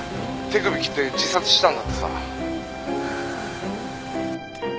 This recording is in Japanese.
手首切って自殺したんだってさ。